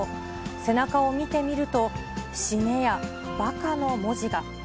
背中を見てみると、しねやばかの文字が。